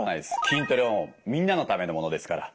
筋トレはみんなのためのものですから。